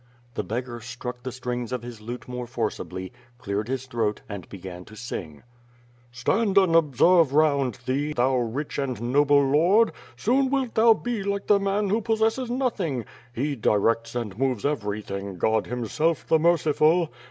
The beggar struck the strings of his lute more forcibly, cleared his throat, and began to sing: "Stand and observe round thee, thou rich and noble lord, Soon wilt thou be like the man who possesses nothing He directs and moves everything, God Himself the merciful.